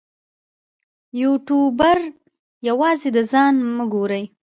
یوټوبر یوازې د ځان مه ګوري.